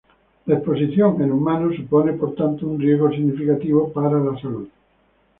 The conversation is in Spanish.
La exposición en humanos supone por tanto un riesgo significativo para la salud.